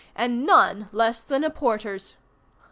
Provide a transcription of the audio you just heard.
and none less than a porter's!